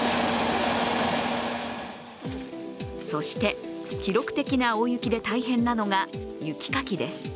そして記録的な大雪で大変なのが雪かきです。